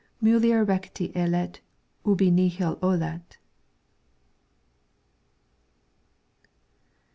' Mulier recte olet ubi nihil olet.